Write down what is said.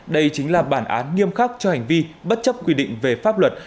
đây chính là bản án nghiêm khắc cho hành vi bất chấp quy định về pháp luật